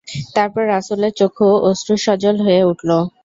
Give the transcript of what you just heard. তারপর রাসূলের চক্ষু অশ্রুসজল হয়ে উঠল।